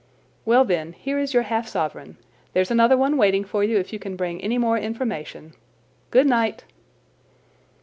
"Well, then, here is your half sovereign. There's another one waiting for you if you can bring any more information. Good night!"